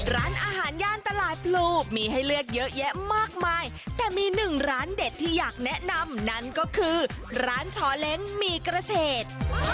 ร้านอาหารย่านตลาดพลูมีให้เลือกเยอะแยะมากมายแต่มีหนึ่งร้านเด็ดที่อยากแนะนำนั่นก็คือร้านชอเล้งหมี่กระเฉด